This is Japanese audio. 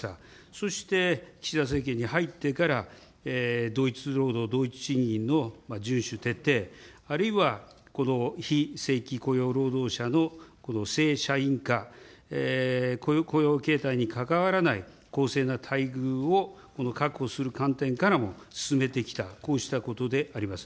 そして岸田政権に入ってから、同一労働同一賃金の順守徹底、あるいは非正規雇用労働者の正社員化、雇用形態にかかわらない公正な待遇を確保する観点からも進めてきた、こうしたことであります。